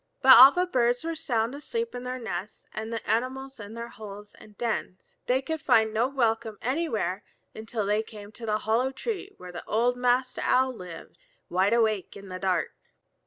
But all the birds were sound asleep in their nests and the animals in their holes and dens. They could find no welcome anywhere until they came to the hollow tree where old Master Owl lived, wide awake in the dark.